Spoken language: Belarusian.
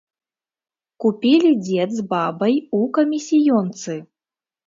Купілі дзед з бабай у камісіёнцы.